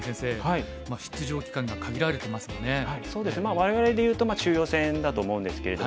我々で言うと中庸戦だと思うんですけれども。